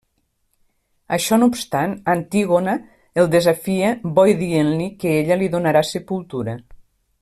Això no obstant, Antígona el desafia bo i dient-li que ella li donarà sepultura.